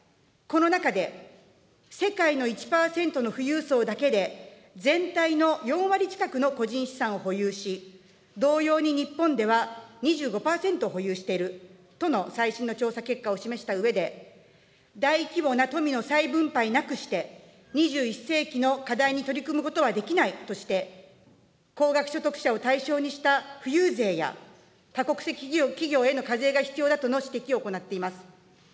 この中で、世界の１％の富裕層だけで、全体の４割近くの個人資産を保有し、同様に日本では２５％保有しているとの最新の調査結果を示したうえで、大規模な富の再分配なくして、２１世紀の課題に取り組むことはできないとして、高額所得者を対象にした富裕税や、多国籍企業への課税が必要だとの指摘を行っています。